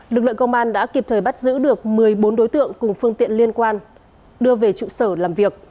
lực lượng công an đã kịp thời bắt giữ được một mươi bốn đối tượng cùng phương tiện liên quan đưa về trụ sở làm việc